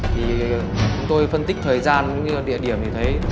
thì tôi phân tích thời gian địa điểm thì thấy